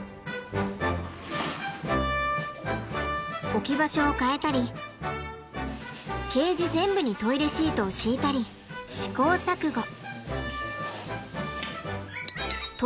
置き場所を変えたりケージ全部にトイレシートを敷いたり試行錯誤。